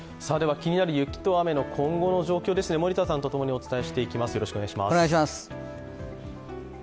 気になる雪と雨の今後の状況を森田さんとともにお伝えしていきます。